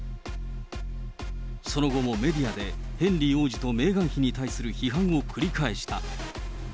その後もメディアで、ヘンリー王子とメーガン妃に対する批判を繰り返した。